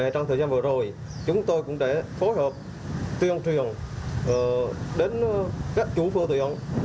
trong thời gian vừa rồi chúng tôi cũng đã phối hợp tuyên truyền đến các chủ phương tiện